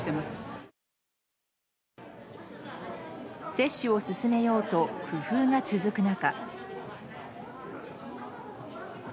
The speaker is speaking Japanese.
接種を進めようと工夫が続く中。